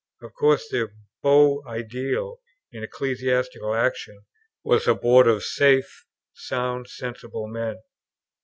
Of course their beau idéal in ecclesiastical action was a board of safe, sound, sensible men.